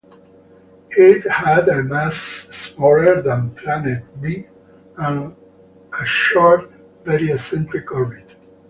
It had a mass smaller than planet b and a short, very eccentric orbit.